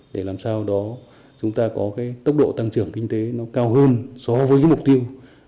để làm sao đó chúng ta có cái tốc độ tăng trưởng kinh tế nó cao hơn so với mục tiêu